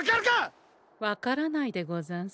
分からないでござんす。